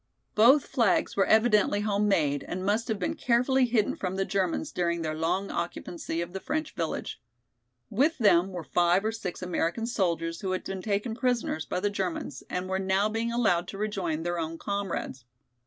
Both flags were evidently home made and must have been carefully hidden from the Germans during their long occupancy of the French village. With them were five or six American soldiers who had been taken prisoners by the Germans and were now being allowed to rejoin their own comrades.